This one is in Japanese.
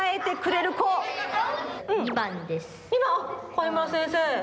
上村先生。